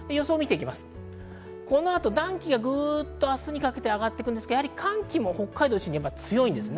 この暖気が明日にかけて上がっていくんですが、寒気も北海道を中心に強いです。